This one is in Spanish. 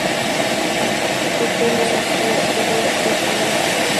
Desprende un fuerte pesimismo, un afán por poner de relieve la miseria humana.